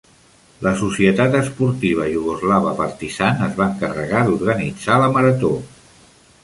La Societat Esportiva Iugoslava "Partizan" es va encarregar d'organitzar la marató.